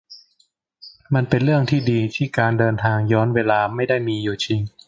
มันเป็นเรื่องที่ดีที่การเดินทางย้อนเวลาไม่ได้มีอยู่จริง